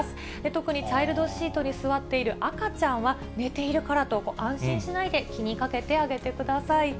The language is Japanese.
特にチャイルドシートに座っている赤ちゃんは、寝ているからと安心しないで、気にかけてあげてください。